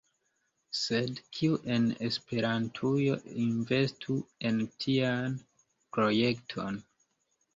Sed kiu en Esperantujo investu en tian projekton?